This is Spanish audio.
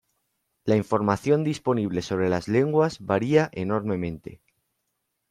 La información disponible sobre las lenguas varía enormemente.